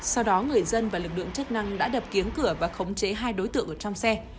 sau đó người dân và lực lượng chức năng đã đập kính cửa và khống chế hai đối tượng ở trong xe